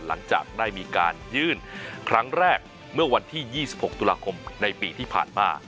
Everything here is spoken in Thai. หลังจากได้มีการยื่นครั้งแรกเมื่อวันที่๒๖ตุลาคมในปีที่ผ่านมา